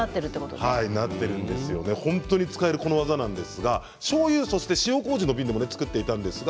本当に使える技なんですがしょうゆ、塩こうじの瓶でも作っていました。